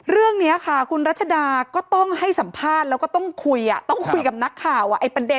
เรื่องนี้ค่ะคุณรัชดาก็ต้องให้สัมภาษณ์แล้วก็ต้องคุยต้องคุยกับนักข่าว